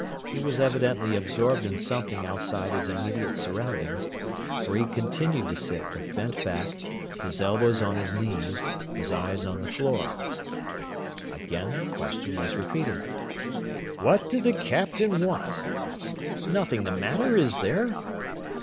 He was evidently absorbed in something outside his immediate surroundings, for he continued to sit with bent back, his elbows on his knees, his eyes on the floor. Again the question was repeated: "What did the Captain want? Nothing the matter, is there?"